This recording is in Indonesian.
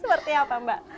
seperti apa mbak